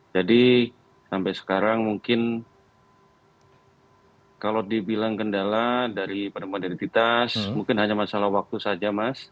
jadi sampai sekarang mungkin kalau dibilang kendala dari penemuan identitas mungkin hanya masalah waktu saja mas